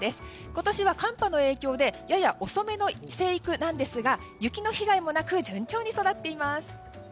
今年は寒波の影響でやや遅めの生育なんですが雪の被害もなく順調に育っています。